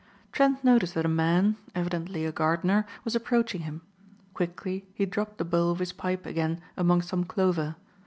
Trent noticed that a man, evidently a gardener, was approaching him. Quickly he dropped the bowl of his pipe again among some clover.